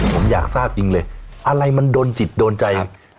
ผมอยากทราบจริงเลยอะไรมันโดนจิตโดนใจ